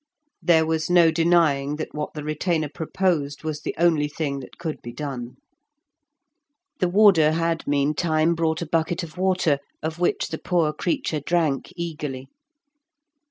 There was no denying that what the retainer proposed was the only thing that could be done. The warder had meantime brought a bucket of water, of which the poor creature drank eagerly.